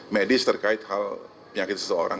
medis terkait hal penyakit seseorang